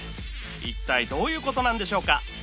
一体どういうことなんでしょうか？